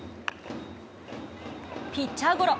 ピッチャーゴロ。